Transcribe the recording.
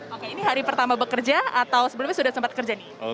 oke ini hari pertama bekerja atau sebelumnya sudah sempat kerja nih